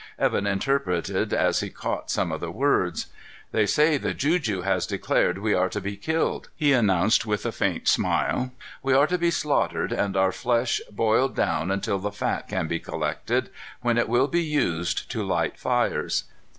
Evan interpreted as he caught some of the words. "They say the juju has declared we are to be killed," he announced with a faint smile. "We are to be slaughtered and our flesh boiled down until the fat can be collected, when it will be used to light fires.